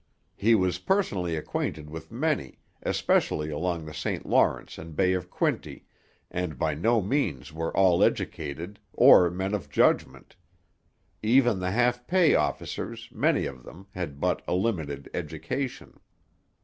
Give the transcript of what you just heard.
He was personally acquainted with many, especially along the St Lawrence and Bay of Quinte, and by no means were all educated, or men of judgment; even the half pay officers, many of them, had but a limited education.'